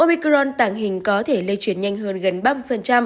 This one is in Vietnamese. ômicron tàng hình có thể lây chuyển nhanh hơn gần ba mươi